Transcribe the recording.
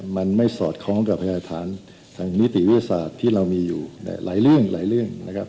มันไม่สอดคล้องกับพยาฐานทางนิติวิทยาศาสตร์ที่เรามีอยู่หลายเรื่องหลายเรื่องนะครับ